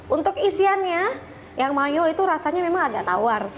untuk isiannya yang mayo itu rasanya memang agak tawar